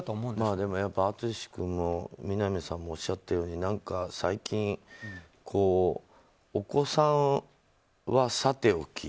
でも、淳君も南さんもおっしゃったように最近、お子さんはさておき